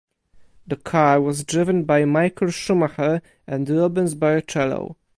The car was driven by Michael Schumacher and Rubens Barrichello.